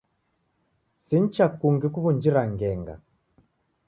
Si n icha kungi kuw'unjiria ngenga.